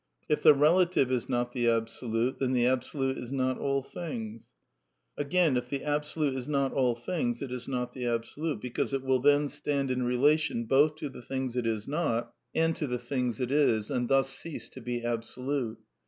If the relative is not the Absolute, then the Absolute is not all things. Again, if the Abso lute is not all things it is not the Absolute ; because it will then stand in relation both to the things it is not and to 132 A DEFENCE OF IDEALISM the things it is^ and thus cease to be Absolute.